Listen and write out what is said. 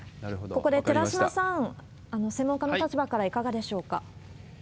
ここで寺嶋さん、専門家の立場からいかがでしょうか？